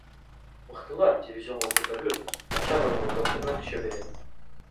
Мыктылар дивизионго көтөрүлүп, начар ойногондор төмөн түшө берет.